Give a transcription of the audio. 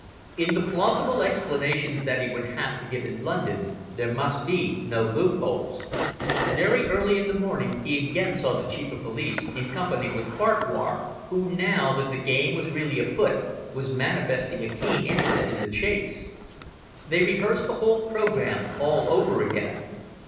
In the plausible explanations that he would have to give in London, there must be no loopholes. Very early in the morning he again saw the Chief of Police, in company with Farquhar, who, now that the game was really afoot, was manifesting a keen interest in the chase. They rehearsed the whole programme all over again.